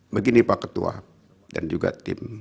begini pak ketua dan juga tim